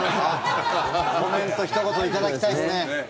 コメントひと言、頂きたいですね。